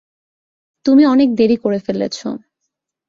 তুমি অনেক দেরি করে ফেলেছ।